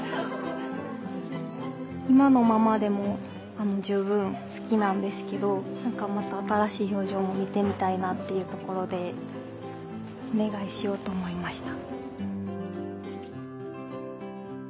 今のままでも十分好きなんですけど何かまた新しい表情も見てみたいなっていうところでお願いしようと思いました。